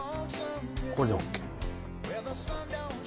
これでＯＫ。